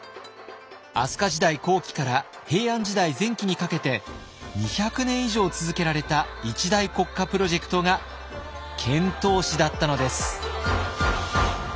飛鳥時代後期から平安時代前期にかけて２００年以上続けられた一大国家プロジェクトが遣唐使だったのです。